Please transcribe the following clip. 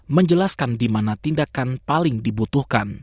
mengatakan bahwa plastik adalah bagian yang paling dibutuhkan